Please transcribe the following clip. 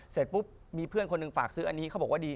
เสร็จปุ๊บมีเพื่อนคนหนึ่งฝากซื้ออันนี้เขาบอกว่าดี